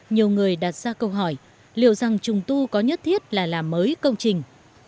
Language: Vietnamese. nhiều người đặt ra câu hỏi liệu rằng trùng tu có nhất thiết là làm mới công trình